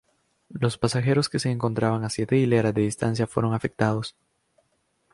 Los pasajeros que se encontraban a siete hileras de distancia fueron afectados.